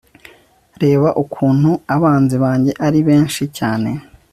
reba ukuntu abanzi banjye ari benshi cyane